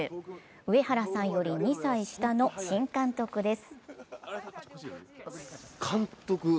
上原さんより２歳下の新監督です。